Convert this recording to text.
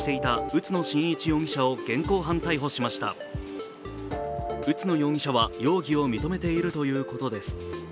宇都野容疑者は容疑を認めているということです。